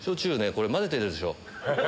これ混ぜてるでしょ？